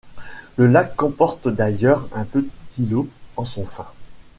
Le lac comporte d'ailleurs un petit îlot en son sein.